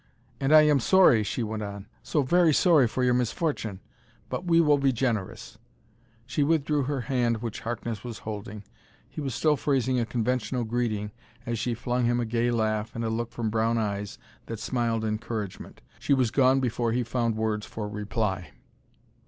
"And I am sorry," she went on, " so very sorry for your misfortune. But we will be generous." She withdrew her hand which Harkness was holding. He was still phrasing a conventional greeting as she flung him a gay laugh and a look from brown eyes that smiled encouragement. She was gone before he found words for reply.